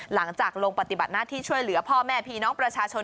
หลังจากลงปฏิบัติหน้าที่ช่วยเหลือพ่อแม่พี่น้องประชาชน